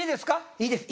いいです